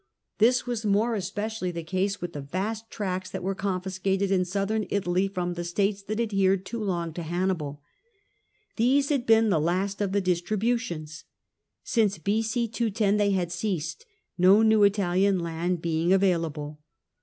This was more especially the case with the vast tracts that were confiscated in Southern Italy from the states that adhered too long to Hannibal. These had been the last of the distributions. Since B.c. 210 they had ceased ; no new Italian land being available.